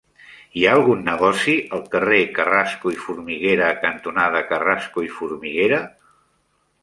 Hi ha algun negoci al carrer Carrasco i Formiguera cantonada Carrasco i Formiguera?